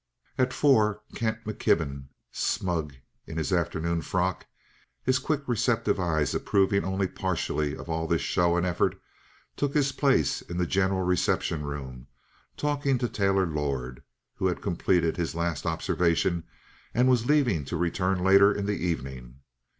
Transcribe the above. At four Kent McKibben, smug in his afternoon frock, his quick, receptive eyes approving only partially of all this show and effort, took his place in the general reception room, talking to Taylor Lord, who had completed his last observation and was leaving to return later in the evening.